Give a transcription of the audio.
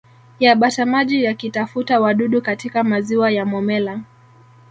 ya batamaji yakitafuta wadudu katika maziwa ya Momella